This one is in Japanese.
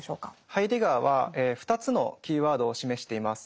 ハイデガーは２つのキーワードを示しています。